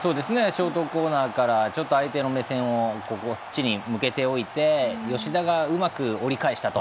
ショートコーナーから相手の目線をこっちに向けておいて吉田が、うまく折り返したと。